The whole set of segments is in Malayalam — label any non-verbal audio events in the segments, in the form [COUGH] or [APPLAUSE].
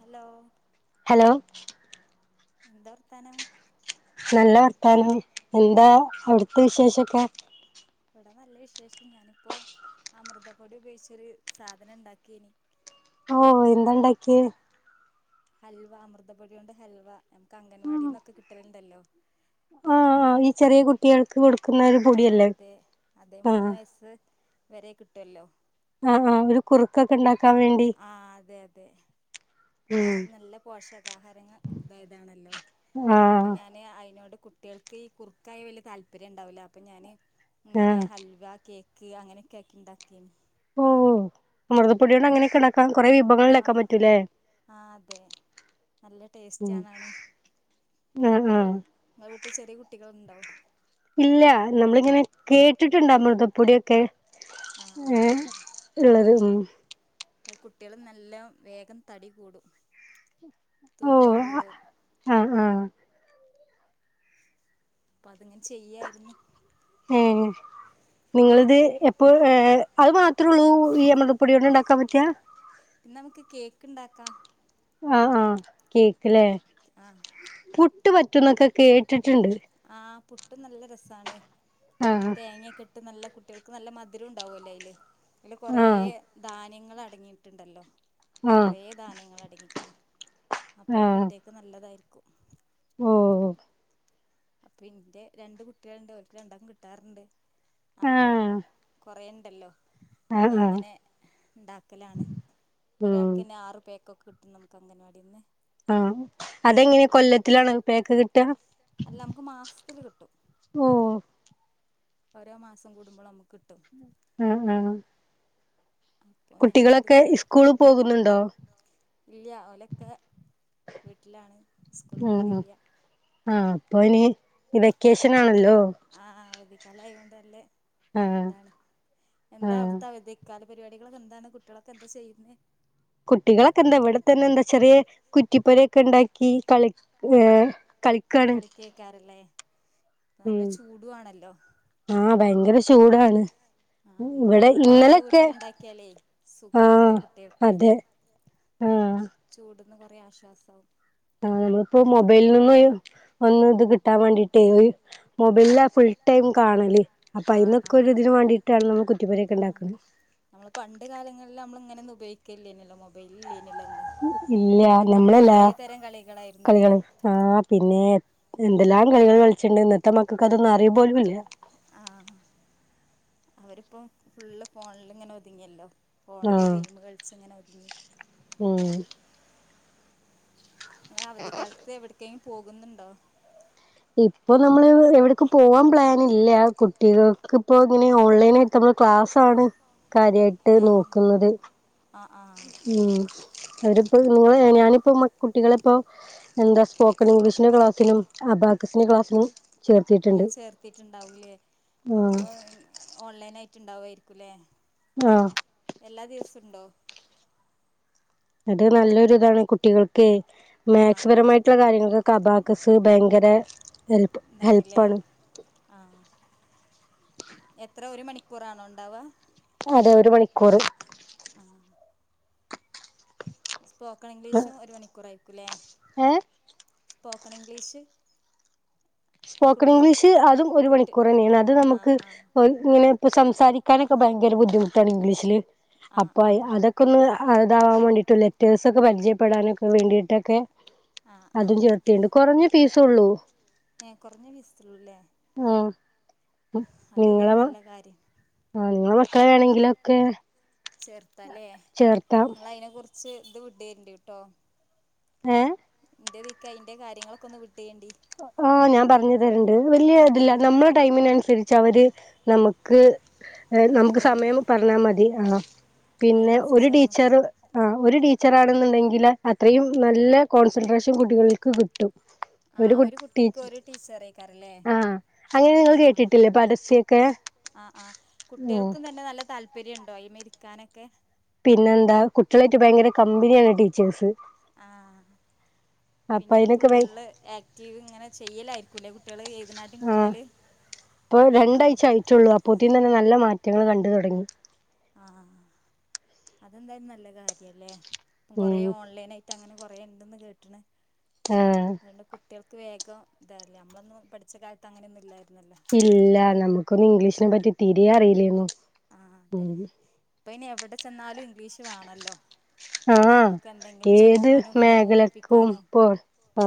ഹലോ ഹലോ എന്താ വർത്താനം? നല്ല വർത്താനം എന്താ അവിടുത്തെ വിശേഷൊക്കെ? ഇവിടെ നല്ല വിശേഷം ഞാനിപ്പോ അമൃതപ്പൊടി ഉപയോഗിച്ചരു സാധനം ഉണ്ടാക്കനി. ഓ എന്താണ്ടാക്കിയ? ഹൽവ അമൃതപൊടിയ കൊണ്ട് ഹൽവ നമുക്ക് അംഗൻവാടിന്നൊക്കെ കിട്ടലുണ്ടല്ലോ? ആ ആ ഈ ചെറിയ കുട്ടികൾക്ക് കൊടുക്കുന്ന ഒരു പൊടിയല്ലേ ആ സ് വരെ കിട്ടുല്ലോ. ആ ആ ഒരു കുറക്കെണ്ടാക്കാൻ വേ ആ അതെ അതെ അത് നല്ല പോഷകാഹാരങ്ങ ഇതായതാണല്ലോ. അപ്പൊ ഞാന് അയിനോട് കു കുട്ടികൾക്ക് ഈ കുറുക്കായ വലിയ താല്പര്യം ഉണ്ടാവില്ല അപ്പൊ ഞാന് ഇങ്ങനെ ഹൽവ കേക്ക് അങ്ങനെയൊക്കെകാക്കി ഉണ്ടാക്കിനി ഓ അമൃദപ്പൊടിയോണ്ട് അങ്ങനെക്കിണ്ട ക്കാൻ കൊറെ വിഭവങ്ങളൾ ഇണ്ടാക്കൻ പറ്റൂലേ? നല്ല ടേസ്റ്റ ആണാണും. ആ ആ ങ്ങളെ വീട്ടി ചെറിയ കുട്ടികളണ്ടോ? ഇല്ല നമ്മളിങ്ങനെ കേട്ടിട്ടുണ്ട മൃതപ്പൊടിയൊക്കെ ഏ ഉള്ളത് മ് കുട്ടികള നല്ല വേഗം തടി കൂടും തൂക്കം കൂടും. ആ ആ അപ്പൊ അതിങ്ങനെ ചെയ്യായിരുന്നു. ഏ നിങ്ങളിത് എപ്പ ഏ അത് മാത്രമേ ഉള്ളൂ ഈ അമൃതപ്പൊടിയോണ്ട് ഉണ്ടാക്കാൻ പറ്റിയ പിന്നെ നമുക്ക് കേക്ക് ഉണ്ടാക്കാം. ആഹ് ആഹ് കേക്കില്ലേ? പുട്ട് പറ്റുന്നൊക്കെ കേട്ടിട്ടുണ്ട്. ആഹ് പുട്ടും നല്ല രസാണ് തേങ്ങൊക്കെ ഇ ന കുട്ടികൾക്ക് നല്ല മധുരഉണ്ടാവു അല്ലേ അതില്. അതില് കുറേ ധാ ന്യങ്ങൾ അടങ്ങിയിട്ടുണ്ടല്ലോ? കുറേ ധാന്യങ്ങൾ അടങ്ങിയിരിക്കണ്. അപ്പോ കുട്ടി ഒക്കെ നല്ലതായിരിക്കും. ഓ അപ്പൊ ഇന്റെ രണ്ടു കുട്ടികളുണ്ട്. ഓരിക്ക് രണ്ടും കിട്ടാറുണ്ട്. അപ്പൊ കൊറേണ്ടല്ലോ? ഞാ ങ്ങനെ ഉണ്ടാക്കലാണ് ഒരാൾക്കന്നെ ആറ് പാക്ക് ഒക്കെകിട്ടും നമുക്ക് അംഗവാടിന്ന്. ആഹ്അതെങ്ങനെയാ കൊല്ലത്തിലാണോ പേക്ക് കിട്ട അല്ല നമുക്ക് മാസത്തിൽ കിട്ടും. ഉം. ഓരോ മാസം കൂടുമ്പോൾ നമുക്ക് കിട്ടും. ഉം ഉം അപ്പോ ഞാൻ അത് ഇല്ല അവലൊക്കെ വീട്ടിലാണ്. സ്കൂള് പോണില്ല. ആഹ് അപ്പൊഴിനി വെക്കേഷൻ ആണല്ലോ? ആഹ് അവധിക്കാല ആയതു കൊണ്ട് നല്ലേ എതാണ് എന്താ അവിടുത്തെ അവധി ക്കാല പരിപാടികളൊെന്താണ്? കുട്ടികളൊക്കെഎന്താ ചെയ്യുന്നത്? കുട്ടികളൊക്കെ എന്താ ഇവിടെ ത്തന്നെ എന്താ ചെറിയ കുറ്റിപ്പൊരയൊക്കെ ഉണ്ടാക്കി കളി ഏഹ് കളിക്കേകാരല്ലേ നല്ല ചൂടും ആണല്ലോ ആഹ് ഭയങ്കര ചൂടാണ്. ഇവിടെ ഇന്നലക്കെ ആഹ് അതെ ആഹ് ചൂടിന്ന് കൊറേ ആശ്വാസാവും. ആഹ് നമ്മളിപ്പോ മൊബൈലിൽ നിന്നും [UNINTELLIGIBLE] ഒന്ന് ഇത് കിട്ടാൻ വേണ്ടിട്ടെ ഒരു മൊബൈല ഫുൾ ടൈം കാണല് അപ്പൊ അയിന്നൊക്കെ ഒരു ഇതിന് വേണ്ടിയിട്ടാണ് നമ്മ കുറ്റി പൊരയൊക്കെ ഇണ്ടാക്കുന്ന നമ്മള് പണ്ട് കാലങ്ങളിൽ അമ്മള് ഇങ്ങനെയൊന്നും ഉപയോഗിക്കില്ലേർന്നല്ലോ മൊബൈല് ഇല്ലേർന്നല്ലോ അന്ന് അന്നൊക്കെ അമ്മള് പലേ തരം കളികളായിരുന്നു ല്ലേ ആഹ് പിന്നെ എന്തെല്ലാം കളികള് കളിച്ണ്ട് ഇന്നത്തെ മക്കക്ക് അതൊന്നും അറിയ പോലും ഇല്ല ആഹ് അവരിപ്പം ഫുള്ള് ഫോണില് ഇങ്ങനെ ഒതുങ്ങിയല്ലോ ഫോണില് ഗെയിമു കളിച്ച് ഇങ്ങനെ ഒതുങ്ങി. ഉം നിങ്ങള് അവധിക്കാലത്ത് എവിടെക്കെങ്കിലും പോകുന്നുണ്ടോ ഇപ്പൊ നമ്മള് എവിടെക്കും പോവാൻ പ്ലാനില്ല കുട്ടികൾക്ക് ഇപ്പൊ ഇങ്ങനെ ഓൺലൈനായിട്ട് നമ്മള് ക്ലാസ്സാണ് കാര്യായിട്ട് നോക്കുന്നത് ആഹ് ആഹ് ഉം അവരിപ്പോ നിങ്ങളെ ഞാനിപ്പോ മ കുട്ടികളെ ഇപ്പോ എന്താ സ്പോ ക്കൺ ഇംഗ്ലീഷിന്റെ ക്ലാസിനും അബാക്കസിന്റെ ക്ലാസിനും അങ്ങനെ ചേർത്തീട്ടുണ്ടാവൂല്ലേ അപ്പൊ എ ഓൺലൈൻ ആയിട്ട് ഇണ്ടാവായിരിക്കൂല്ലേ? ആഹ് എല്ലാ ദിവസോം ഉണ്ടോ? അത് നല്ലൊരു ഇതാണ് കുട്ടികൾക്കേ മാക്സ് പരമായിട്ടുള്ള കാര്യങ്ങക്കക്ക അബാക്കസ് ഭയങ്കര ഹെൽപ്പ് ഹെൽപ്പാണ്. ആഹ് എത്ര ഒരു മണിക്കൂറാണോ ഒണ്ടാവുക അതെ ഒരു മണിക്കൂറ് ആഹ് സ്പോക്കൺ ഇംഗ്ലീഷും ഒരു മണിക്കൂർ ആയിരിക്കും ലേ സ്പോക്കൺ ഇംഗ്ലീഷ് സ്പോക്കൺ ഇംഗ്ലീഷ് അതും ഒരു മണിക്കൂർ തന്നെയാണ് അത് നമുക്ക് ഒ ഇങ്ങനെ ഇപ്പൊ സംസാരിക്കാനൊക്കെ ഭയങ്കര ബുദ്ധിമുട്ടാണ് ഇംഗ്ലീഷില് അപ്പൊ അയ് അത ക്കെ ഒന്ന് ഇതാവാൻ വേണ്ടീട്ട് ലെറ്റേഴ്സൊക്കെ പരിചയപ്പെടാനൊക്കെ വേണ്ടീട്ടക്കെ അതും ചേർത്തിയുണ്ട് കൊറഞ്ഞ ഫീസേ ഉള്ളൂ ഏഹ് കൊറഞ്ഞ ഫീസേ ഉള്ളൂ ല്ലേ മ്ഹ് അത് ഏതായാലും നല്ല കാര്യം ആഹ് ഇങ്ങള മക്കളെ വേണെങ്കിലൊക്കെ ചേർത്താല്ലേ നിങ്ങള് അതിനെ കുറിച്ച് ഇത് വിടേണ്ടി ട്ടോ ഏഹ് ഇന്റെതിക്കെ അയിന്റെ കാര്യങ്ങളൊക്കെ ഒന്ന് വിട്ടേണ്ടി ആഹ് ഞാൻ പറഞ്ഞു തരണ്ട് വല്യ ഇതില്ല നമ്മളെ ടൈമിനനുസരി ച്ച് അവര് നമുക്ക് അതായത് നമുക്ക് സമയം പറഞ്ഞാ മതി ആഹ് പിന്നെ ഒരു ടീച്ചറ് ആഹ് ഒരു ടീച്ചറാണെന്നുണ്ടെങ്കില് അത്രയും നല്ല കോൺസെൻട്രേഷൻ കുട്ടികൾക്ക് കിട്ടും ആഹ് ഒരു കുട്ടിക്ക് ഒരു ടീച്ചറയ്ക്കാര അല്ലേ ആഹ് ആഹ് ആഹ് കുട്ട്യൾക്കും തന്നെ നല്ല താല്പര്യം ഉണ്ടോ അയിമ്മെ ഇരിക്കാനൊക്കെ പിന്നെന്താ കുട്ടികളായിട്ട് ഭയങ്കര കമ്പനിയാണ് ടീച്ചേഴ്സ് ആഹ് പിന്നെ ഫുള്ള് ആ ക്ടീവ് ഇങ്ങനെ ചെയ്യലായിരിക്കും ല്ലേ കുട്ട്യള് എഴുതണാട്ടീം കൂടുതല് അതോ റ്റുള്ളൂ അപ്പോത്തിന് തന്നെ നല്ല മാറ്റങ്ങള് കണ്ട് തൊടങ്ങി ആഹ് അത് എന്തായാലും നല്ല കാര്യല്ലേ കൊറെ ഓൺലൈൻ ആയി അങ്ങനെ കൊറെ ഒണ്ടന്ന് കേട്ട്ണ് അതുകൊണ്ട്- കുട്ടികൾക്ക് വേഗം ഇതായില്ലേ നമ്മളൊന്നും പഠിച്ച കാലത്ത് അങ്ങനെയൊന്നും ഇല്ലായിരുന്നല്ലോ ഇല്ല നമുക്കൊന്നും ഇംഗ്ലീഷിനെ പറ്റി തീരെ അറിയില്ലേന്നു ആഹ് അതെ ഇപ്പൊ ഇനി എവിടെ ചെന്നാലും ഇംഗ്ലീഷ് വാണല്ലോ ആഹ് ഏത് മേഖലക്കും ഇപ്പൊ- ആ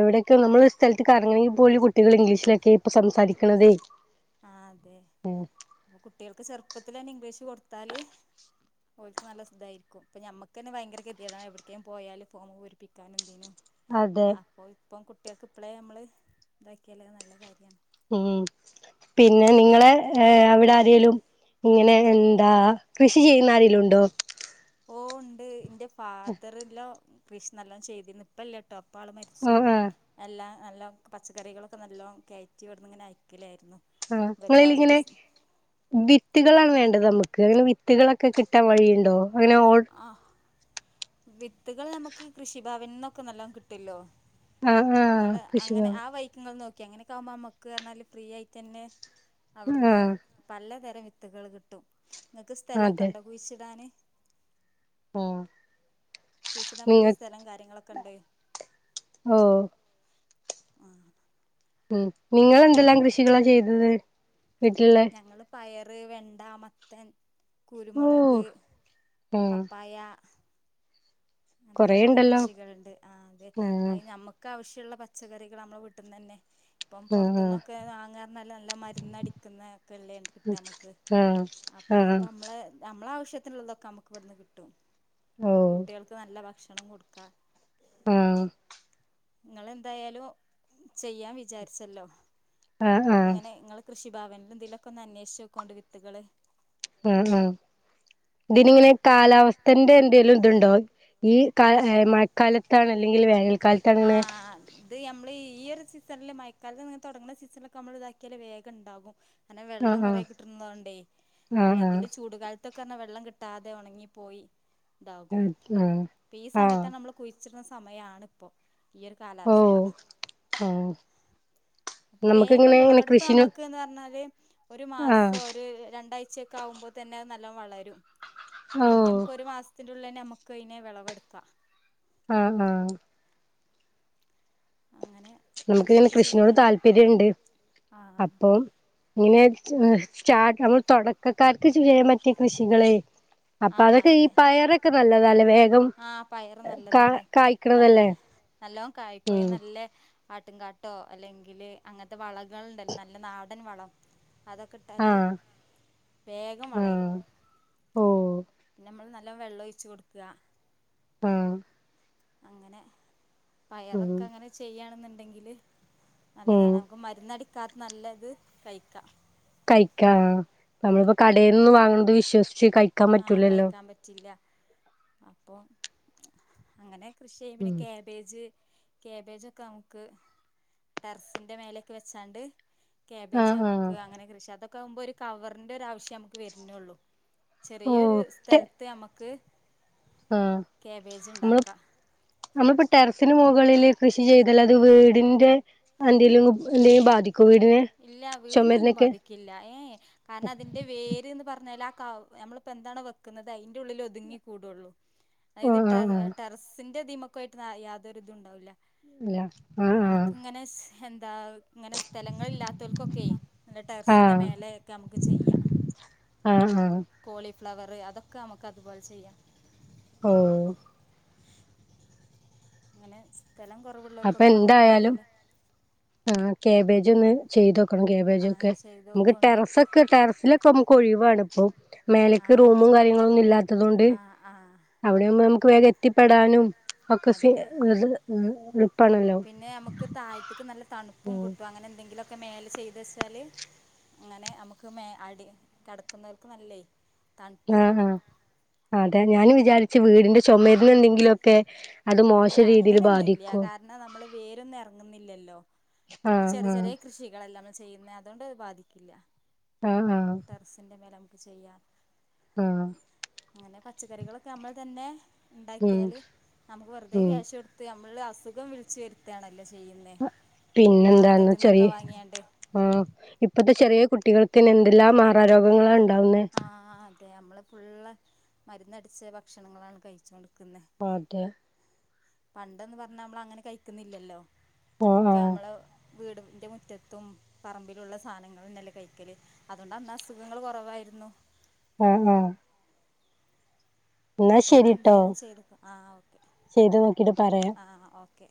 എവിടെയൊക്കെ നമ്മള് ഒരു സ്ഥലത്ത് കറങ്ങണെങ്കിൽ പോലും കുട്ടികള് ഇംഗ്ലീഷിലൊക്കെ ഇപ്പൊ സംസാരിക്കും ക്കണതെ ആ അതെ അപ്പൊ കുട്ടികൾക്ക് ചെറുപ്പത്തിൽ തന്നെ ഇംഗ്ലീഷ് കൊടുത്താല്- ഓലക്ക് നല്ല സുഖയാരിക്കും ഇപ്പൊ നമുക്ക് തന്നെ ഭയങ്ക ഗതികെടാണ് എവിടേക്കേലും പോയാല് ഫോമ് പൂരിപ്പിക്കാൻ എന്തിനും- അപ്പൊ ഇപ്പൊ കുട്ടികൾക്ക് ഇപ്പളെ നമ്മള് ഇതാക്കിയാല് നല്ല കാര്യമാണ് ഉം പിന്നെ നിങ്ങളെ ഏ അവിടെ ആരെലും- ഇങ്ങനെ എന്താ കൃഷി ചെയ്യുന്ന ആരെങ്കലും ഒണ്ടോ ഓഹ് ഒണ്ട് ഇന്റെ ഫാദറിൻലോ കൃഷി നല്ലോണം ചെയ്തി ഇപ്പ ഇല്ല ട്ടോ ഇപ്പൊ ആള് മരിച്ചു എല്ലാ നല്ല പച്ചക്കറികളൊക്കെ നല്ലോ കയറ്റി ഇവിടുന്ന് ഇങ്ങനെ അയക്കലായിരുന്നു ആഹ് നിങ്ങള് ഇത്‌ ഇങ്ങനെ വിത്തുകളാണ് വേണ്ടത് നമുക്ക് അങ്ങനെ വിത്തുകളൊക്കെ കിട്ടാൻ വഴിയുണ്ടോ അങ്ങനെ ഓ- ആഹ് വിത്തുകള് നമുക്ക് കൃഷിഭവനിൽ നിന്നൊക്കെ നല്ലോണം കിട്ടല്ലോ നിങ്ങള് അങ്ങനെ ആ വഴിക്ക് ഇങ്ങള് നോക്കിയോ അങ്ങനെ ഇതാകുമ്പോൾ നമ്മക്ക് പറഞ്ഞാല് ഫ്രീ ആയി തന്നെ അവിടുന്ന്- പലതരം വിത്തുകള് കിട്ടും നിങ്ങക്ക് സ്ഥലം ഒക്കെ ഒണ്ടോ കുഴിച്ചിടാന് ഓ കുഴിച്ചിടാൻ പറ്റിയ സ്ഥലം കാര്യങ്ങളൊക്കെ ഒണ്ട് ആഹ് ഉം നിങ്ങെന്തെല്ലാം കൃഷികളാ ചെയ്തത് വീട്ടില് ഞങ്ങള് പയറ് വെണ്ട മത്തൻ കുരുമുളക് പപ്പായ- അങ്ങനെത്തെ കൊറെ കൃഷികളുണ്ട് ആ അതെ അതിന് നമ്മക്ക്- ഒക്കെ ആവ്യമുള്ള പച്ചക്കറികള് നമ്മള് വീട്ടന്ന് തന്നെ അപ്പം പൊറത്തനിന്നൊക്കെ വാങ്ങാറന്നല്ല നല്ല മരുന്ന് അടിക്കുന്ന ഒക്കെ ഉള്ളെയല്ലേ കിട്ട നമ്മുക്ക് അപ്പൊയിപ്പ നമ്മള് നമ്മളെ ആവശ്യത്തിനുള്ളതൊക്കെ നമ്മുക്ക് ഇവിടുന്ന് കിട്ടും ഉം കുട്ടികൾക്ക് നല്ല ഭക്ഷണം കൊടുക്കുക- ഉം നിങ്ങള് എന്തായാലും ചെയ്യാൻ വിചാരിച്ചല്ലോ അപ്പൊ ഇങ്ങനെ നിങ്ങള് - കൃഷിഭവനില് എന്തേലുംയൊക്കെ ഒന്ന് അന്വേഷിച്ച്ക്കൊണ്ട് വിത്തുകള്- ഉം ഉം ഇതിന് ഇങ്ങനെ കാലാവസ്ഥന്റെ എന്തെലും ഇത് ഉണ്ടോ ഈ കാ മഴക്കാലത്താണ് അല്ലെങ്കിൽ വേനൽക്കാലത്ത്- ആഹ് ഇത് നമ്മള് ഈയൊരു സീസണില് മയക്കാലത്ത് തൊടങ്ങുന്ന സീസണിലൊക്കെ നമ്മള് ഇതാക്കിയാല് വേഗം ഇണ്ടാകും അങ്ങെ വെള്ളം കൊറേ കിട്ടുന്നൊണ്ടെ അല്ലെങ്കിൽ ചൂട് കാലത്ത്- ക്ക്‌ തന്നെ വെള്ളം കിട്ടാതെ ഒണങ്ങിപ്പോയി ഇതാകും അപ്പൊ ഈ സമയത്ത് ആണ് നമ്മള് - കുഴിച്ചിടുന്ന സമയാണ് ഇപ്പൊ ഈ ഒരു കാലാവസ്ഥ- വേഗം വിളവെടുപ്പ് നമ്മുക്ക് എന്ന് പറഞ്ഞാല്- ഒരു മാസം ഒരു രണ്ടാഴ്ചയൊക്കെ ആകുമ്പോ തന്നെ അത് നല്ല വളരും പിന്നെ നമുക്ക് ഒരു മാസത്തിന്റെ ഉള്ളില് തന്നെ നമ്മുക്ക് അതിനെ വിളവെടുക്കാം ആഹ് ആഹ് അങ്ങനെ- നമുക്ക് ഇങ്ങന്നെ കൃഷിനിനോട് താല്പര്യം ഉണ്ട് അപ്പം- ഇങ്ങനെ സ്റ്റാ നമ്മള് തൊടക്കക്കാർക്ക് ചെയ്യാൻ പറ്റിയ കൃഷികളെ- അപ്പൊ അതൊക്കെ ഈ പയറൊക്കെ നല്ലതാല്ലേ വേഗം കാ കായ്ക്കണതല്ലേ നല്ലോം കായ്ക്കും അയിന് നല്ലേ ആട്ടും കാട്ടോ അല്ലെങ്കില് അങ്ങൻത്തെ വളകൾണ്ടല്ലോ നല്ല നാടൻ വളം അതൊക്കെ ട്ടാല് വേഗം വളരും പിന്നെ നമ്മൾ നല്ല വെള്ള ഒഴിച്ച് കൊടുക്ക ആഹ് അങ്ങനെ പയറൊക്കെ അങ്ങനെ ചെയ്യാണെന്നുണ്ടെങ്കില് നല്ലതാണ് നമുക്ക് മരുന്നടിക്കാത്ത നല്ലത് കഴിക്ക കഴിക്ക ആഹ് നമ്മളിപ്പോ കടയിൽ നിന്ന് വാങ്ങുന്നത് വിശ്വസിച്ച് കഴി ആഹ് കഴിക്കാൻ പറ്റില്ല അപ്പൊ അങ്ങനെ കൃഷി ചെയ്യും പിന്നെ കേ ബേജ് കേബേജ് ഒക്കെ നമുക്ക് ടെറസിന്റെ മേലെക്കെ വെച്ചാണ്ട് ക്യാബേജ് നമുക്ക് അങ്ങനെ കൃഷി അതൊക്കെ ആകുമ്പോ ഒരു കവറിൻ്റെ ഒരു ആവശ്യം നമുക്ക് വരുന്നള്ളൂ ചെറിയൊരു സ്ഥലത്ത് നമുക്ക് ആഹ് നമ്മൾ നമ്മളിപ്പോ ടെറസിന് മുകളില് കൃഷി ചെയ്താൽ അത് വീടിന്റെ എന്തെലും എന്തേ ബാധിക്കോ? ഇല്ല വീടിനൊന്നും ബാധിക്കില്ല ഏയ് കാരണം അതിന്റെ വേര് എന്ന് പറഞ്ഞാൽ ആഹ് ക നമ്മളിപ്പോ എന്താണ് വെക്കുന്നത് അതിന്റെ ഉള്ളിൽ ഒതുങ്ങി കൂടുള്ളൂ അയിന് ടെ ടെറസിന്റെ തിമക്കയിട്ട് യാതൊരു ഇതുണ്ടാവുല നമുക്ക്ങ്ങനെ ശ് എന്താ ഇങ്ങനെ സ്ഥല ഇല്ലാത്തോൽകൊക്കെ നട്ടർസിന്റെ മേലെയൊക്കെ നമുക്ക് ചെയ്യ കോളിഫ്ലവറ് അതൊക്കെ നമുക്ക് അതുപോലെ ചെയ്യാം ആഹ് അങ്ങനെ സ്ഥലം കൊറവുള്ളോർകൊക്കെ വാർപ്പ്ന്റെ മേലെ ആഹ് കാബേജ് ഒന്ന് ചെയ്തോക്കണം കാബേജൊക്കെ നമുക്ക് ടെറസ ഒക്കെ ടെറസിലൊക്കെ നമുക്ക് ഒഴിവാണ് ഇപ്പൊ മേലക്ക് റൂമും കാര്യങ്ങളൊന്നും ഇല്ലാത്തത് കൊണ്ട് അവിടെആവുമ്പ നമുക്ക് വേഗം എത്തിപ്പെടാനും ഒക്കെ സ് [UNINTELLIGIBLE] പിന്നെ നമുക്ക് താഴത്തക്ക് നല്ല തണുപ്പും കിട്ടും അങ്ങനെ എന്തെങ്കിലൊക്കെ മേലെ ചെയ് ച്ചാല് അങ്ങനെ അമുക്ക് മേ അടി കെടക്കുന്നവർക്ക് നല്ലയ് ആഹ് ആഹ് അതെ ഞാനും വിചാരി ച്ചു വീടിന്റെ ചൊമരിന് എന്തെങ്കിലുഒക്കെ അത് മോശ രീതിയിൽ ബാധിക്കോ ങ്ങുന്നില്ലല്ലോ. അത് ചെറിയ ചെറിയ കൃഷികളല്ലേ മ്മള് ചെയ്യുന്നേ അതുകൊണ്ട്ത് ബാധിക്കില്ല ആഹ് ആഹ് ടെർസിന്റെമേലെ നമുക്ക് ചെയ്യാം ആഹ് അങ്ങനെ പച്ചക്കറികളൊക്കെ നമ്മള് തന്നെ ഉണ്ടാക്കിയാല് നമുക്ക് വെറുതെ ക്യാഷ് കൊടു ത് നമ്മൾ അസുഖം വിളിച്ച് വരുത്താണല്ലോ ചെയ്യുന്നേ. മാർക്കറ്റിൽന്നൊക്കെ വാങ്ങിയാണ്ട് ആഹ് ഇപ്പത്തെ ചെറിയ കുട്ടികൾക്കന്നെ എന്തെല്ലാം മറാരോഗങ്ങളാണ്ടാവുന്നെ ട്ടെ അമ്മളെ ഫുള്ള് മരുന്നടിച്ച ഭക്ഷണങ്ങളാണ് കഴിച്ചോണ്ടിക്കുന്നെ അതെ പണ്ട്ന്ന് പറഞ്ഞാ നമ്മളങ്ങനെ കഴിക്കുന്നില്ലല്ലോ ഒക്കെ നമ്മള് വീടിന്റെ മുറ്റത്തും പറമ്പിലുള്ള സാധനങ്ങളന്നല്ലേ കഴിക്കല് അ അതോണ്ട് അന്ന് അസുഖങ്ങൾ കുറവായിരുന്നു ആഹ് ആഹ് അപ്പങ്ങളെന്തായാലും ചെയ്ത്ക്കാ ആഹ് ഓക്കെ ആഹ് ഓക്കെ